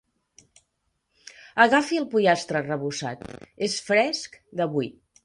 Agafi el pollastre arrebossat, és fresc d'avui.